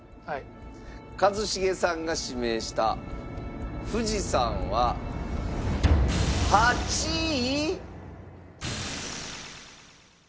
一茂さんが指名した富士山は８位。